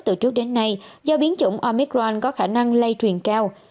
từ trước đến nay do biến chủng omicron có khả năng lây thuyền cao